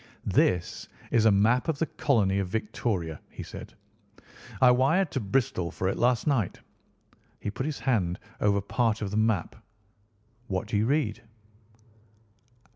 "This is a map of the Colony of Victoria," he said. "I wired to Bristol for it last night." He put his hand over part of the map. "What do you read?"